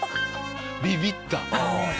ビビった。